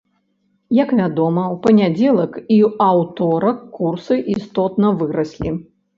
Як вядома, у панядзелак і аўторак курсы істотна выраслі.